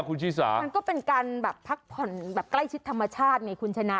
คุณชิสามันก็เป็นการแบบพักผ่อนแบบใกล้ชิดธรรมชาติไงคุณชนะ